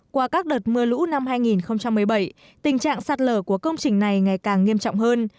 qua các đợt mưa lũ năm hai nghìn một mươi bảy tình trạng sạt lở của công trình này ngày càng nghiêm trọng hơn